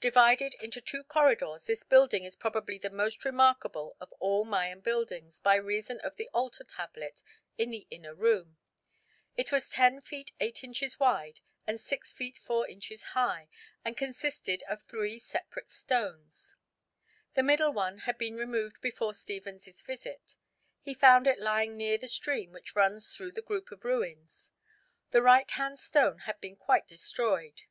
Divided into two corridors, this building is probably the most remarkable of all Mayan buildings, by reason of the altar tablet in the inner room. It was 10 feet 8 inches wide and 6 feet 4 inches high, and consisted of three separate stones. The middle one had been removed before Stephens's visit. He found it lying near the stream which runs through the group of ruins. The right hand stone had been quite destroyed.